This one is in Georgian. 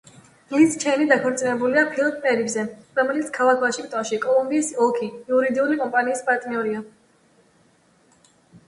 ლიზ ჩეინი დაქორწინებულია ფილიპ პერიზე, რომელიც ქალაქ ვაშინგტონში, კოლუმბიის ოლქი, იურიდიული კომპანიის პარტნიორია.